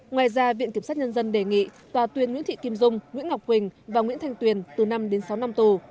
ngoài ra viện kiểm sát nhân dân đề nghị tòa tuyên nguyễn thị kim dung nguyễn ngọc quỳnh và nguyễn thanh tuyền từ năm đến sáu năm tù